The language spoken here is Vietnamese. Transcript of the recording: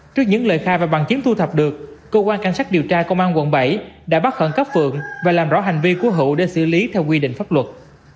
trước những lời khai và bằng chứng thu thập được cơ quan cảnh sát điều tra công an quận bảy đã bắt khẩn cấp phượng và làm rõ hành vi của hữu để xử lý theo quy định pháp luật